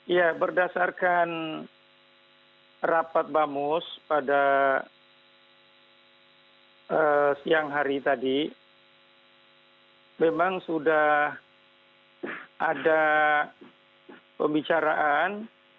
ya berdasarkan rapat bamus pada siang hari tadi memang sudah ada pembicaraan